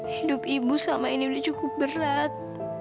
hidup ibu selama ini sudah cukup berat